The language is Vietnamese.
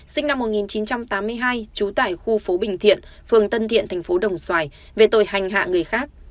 sinh năm một nghìn chín trăm tám mươi hai trú tại khu phố bình thiện phường tân thiện tp đồng xoài về tội hành hạ người khác